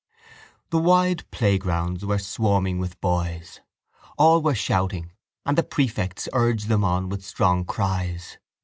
The wide playgrounds were swarming with boys. All were shouting and the prefects urged them on with strong cries.